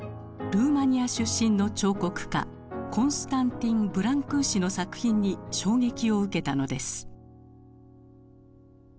ルーマニア出身の彫刻家コンスタンティン・ブランクーシの作品に衝撃を受けたのです。